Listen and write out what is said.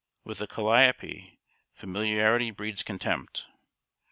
With a calliope, familiarity breeds contempt.